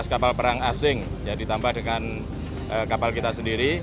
delapan belas kapal perang asing ya ditambah dengan kapal kita sendiri